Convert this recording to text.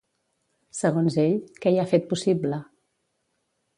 Segons ell, què hi ha fet possible?